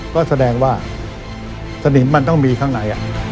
ก็แสดงว่าสนิมมันต้องมีข้างใน